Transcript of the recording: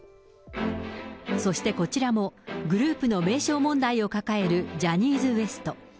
そしてこちらも、グループの名称問題を抱える、ジャニーズＷＥＳＴ。